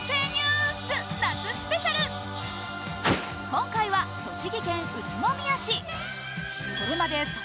今回は栃木県宇都宮市。